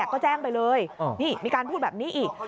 ก็แจ้งไปเลยนี่มีการพูดแบบนี้อีก